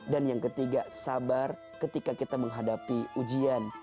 dan yang ketiga sabar ketika kita menghadapi ujian